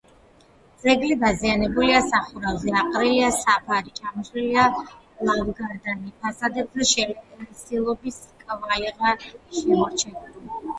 ძეგლი დაზიანებულია: სახურავზე აყრილია საფარი, ჩამოშლილია ლავგარდანი, ფასადებზე შელესილობის კვალიღაა შემორჩენილი.